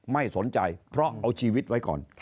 ไม่สนใจเพราะเอาชีวิตไว้ก่อน